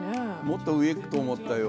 もっと上いくと思ったよ。